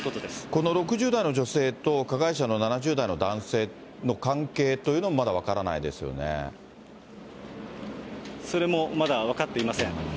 この６０代の女性と加害者の７０代の男性の関係というのもまそれもまだ分かっていません。